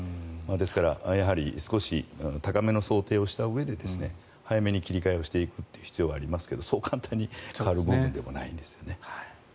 ですから、少し高めの想定をしたうえで早めに切り替えをしていく必要がありますけれどそう簡単に変わるものでもないんですね。